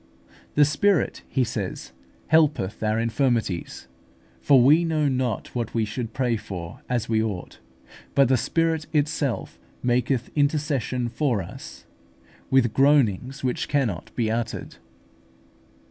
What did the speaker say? "The Spirit," he says, "helpeth our infirmities; for we know not what we should pray for as we ought; but the Spirit itself maketh intercession for us, with groanings which cannot be uttered."